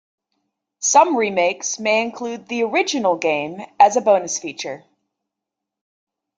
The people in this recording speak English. Some remakes may include the original game as a bonus feature.